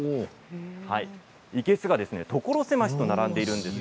生けすが所狭しと並んでいます。